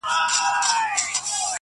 چي زه هم لکه بوډا ورته ګویا سم!.